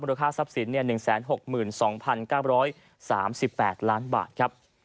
ราคาทรัพย์สิน๑๖๒๙๓๘ล้านบาทครับ